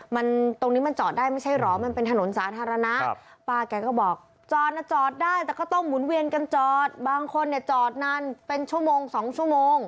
มันตรงนี้มันจอดได้ไม่ใช่เหรอมันเป็นถนนสาธารณะป้าแกก็บอกจอดนะจอดได้แต่ก็ต้องหมุนเวียนกันจอดบางคนเนี่ยจอดนานเป็นชั่วโมงสองชั่วโมง